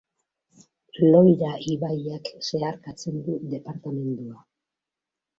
Loira ibaiak zeharkatzen du departamendua.